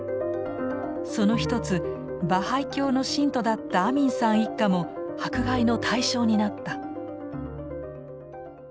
その一つバハイ教の信徒だったアミンさん一家も迫害の対象になった。